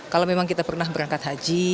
kalau memang kita pernah berangkat haji